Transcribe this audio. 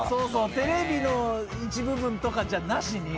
テレビの一部分とかじゃなしに。